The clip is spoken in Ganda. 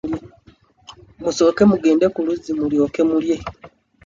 Musooke mugende ku luzzi mulyoke mulye.